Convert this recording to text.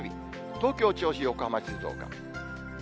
東京、銚子、横浜、静岡。